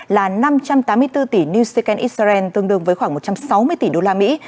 là năm trăm tám mươi bốn tỷ new second israel tương đương với khoảng một trăm sáu mươi tỷ đô la mỹ